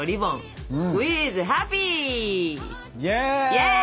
イエイ！